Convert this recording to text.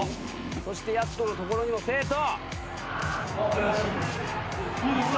そしてやす子の所にも生徒。